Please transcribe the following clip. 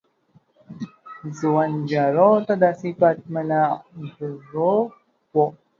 ځوان جارو ته داسې په ملا کړوپ و